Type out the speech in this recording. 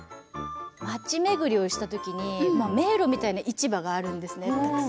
街巡りをした時に迷路みたいな市場があるんですね。